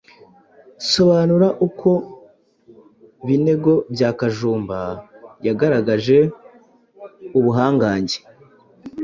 Sobanura uko Binego bya Kajumba yagaragaje ubuhangange